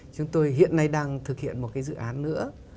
chúng tôi hiện nay đang thực hiện một cái dự án nữa